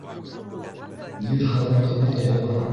Ер хәҙер ҡыйбатая бара.